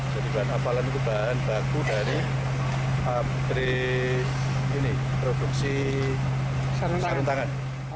jadi bahan apalan itu bahan baku dari produksi sarung tangan